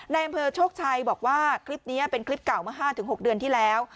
ในอำเภอโชคชัยบอกว่าคลิปนี้เป็นคลิปเก่าเมื่อ๕๖เดือนที่แล้ว